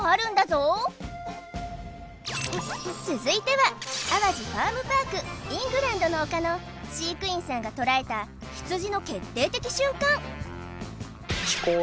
ゾウ続いては淡路ファームパーク・イングランドの丘の飼育員さんが捉えたヒツジの飛行？